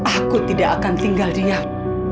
aku tidak akan tinggal diam